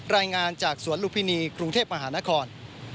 รายงานจากสวรรค์ลูปินีกรุงเทพฯมหานคร